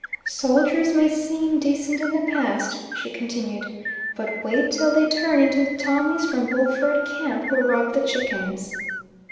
"Soldiers may seem decent in the past," she continued, "but wait till they turn into Tommies from Bulford Camp, who rob the chickens."